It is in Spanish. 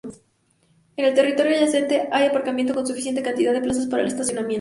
En el territorio adyacente hay aparcamiento con suficiente cantidad de plazas para el estacionamiento.